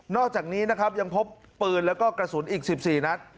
อกจากนี้นะครับยังพบปืนแล้วก็กระสุนอีก๑๔นัด